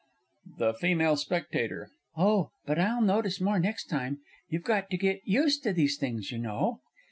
THE F. S. Oh, but I'll notice more next time you've got to get used to these things, you know.